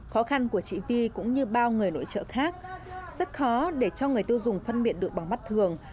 khó khăn của chị vi cũng như bao người nội trợ khác rất khó để cho người tiêu dùng phân biệt được bằng mắt thường